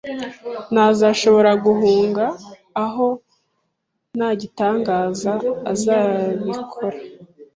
Ntazashobora guhunga aho nta gitangaza, azabikora?